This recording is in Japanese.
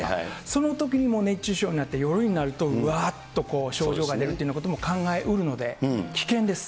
そのときにももう熱中症になって、夜になると、わーっと症状が出るってことも考えうるので危険です。